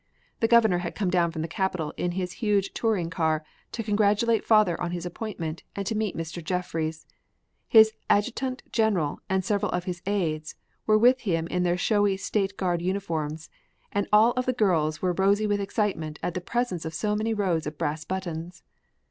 The Governor had come down from the capital in his huge touring car to congratulate father on his appointment and to meet Mr. Jeffries. His adjutant general and several of his aids were with him in their showy State Guard uniforms and all of the girls were rosy with excitement at the presence of so many rows of brass buttons.